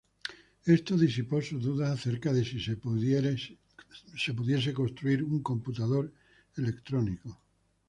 Esto disipó sus dudas acerca de sí se pudiese construir un computador electrónico.